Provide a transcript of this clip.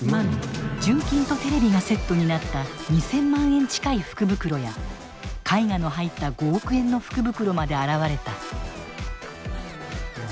純金とテレビがセットになった２，０００万円近い福袋や絵画の入った５億円の福袋まで現れた。